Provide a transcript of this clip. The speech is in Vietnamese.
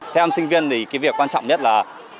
theo em sinh viên thì cái việc quan trọng nhất là